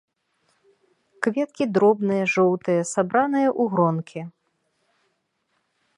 Кветкі дробныя, жоўтыя, сабраныя ў гронкі.